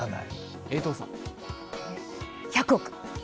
１００億。